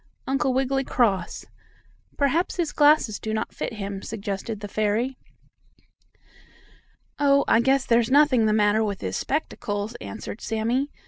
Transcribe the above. Uncle Wiggily cross. Perhaps his glasses do not fit him," suggested the fairy. "Oh, I guess there's nothing the matter with his spectacles," answered Sammie.